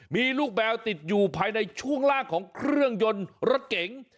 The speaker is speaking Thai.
มีลูกแมวติดอยู่ภายในช่วงล่างของเครื่องยนต์รถเก๋ง